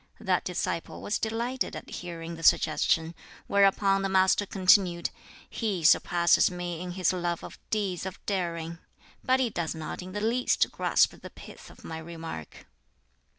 That disciple was delighted at hearing the suggestion; whereupon the Master continued, "He surpasses me in his love of deeds of daring. But he does not in the least grasp the pith of my remark."